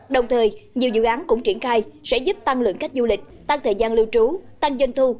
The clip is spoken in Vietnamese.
đồng thời nhiều dự án cũng triển khai sẽ giúp tăng lượng khách du lịch tăng thời gian lưu trú tăng dân thu